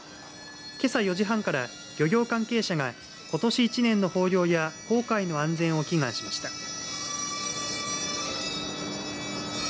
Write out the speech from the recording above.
けさ４時半から漁業関係者がことし１年の豊漁や航海の安全を祈願しました。